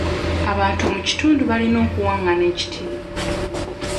Abantu mu kitundu balina okuwangana ekitiibwa.